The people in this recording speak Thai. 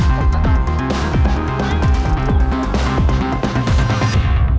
สวัสดีครับ